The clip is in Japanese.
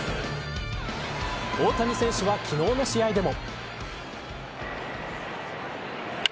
大谷選手は昨日の試合でも。